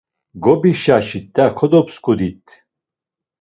Gobişaşit do kodopskidit.